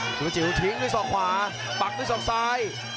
ซุปะจิ๋วทิ้งด้วยสอบขวาบักด้วยสอบซ้าย